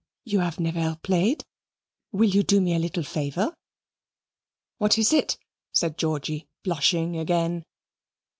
"You have nevare played will you do me a littl' favor?" "What is it?" said Georgy, blushing again.